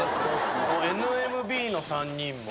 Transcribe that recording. ＮＭＢの３人も。